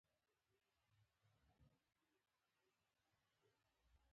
انسان هم غوښه او هم نباتات خوري